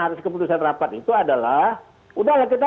atas keputusan rapat itu adalah